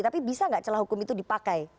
tapi bisa nggak celah hukum itu dipakai